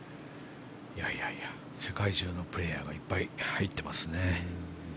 世界中のプレーヤーがいっぱい入ってますね。